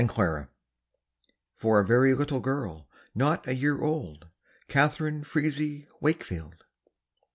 Sunshine For a Very Little Girl, Not a Year Old. Catharine Frazee Wakefield.